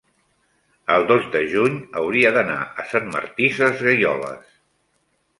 el dos de juny hauria d'anar a Sant Martí Sesgueioles.